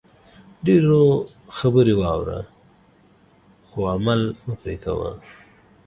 ډېرو خبرې واوره خو عمل مه پرې کوئ